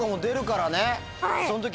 その時。